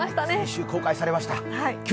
先週公開されました。